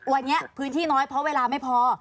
วันนี้พื้นที่น้อยเพราะเวลาไม่พอ